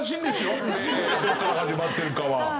どこから始まってるかは。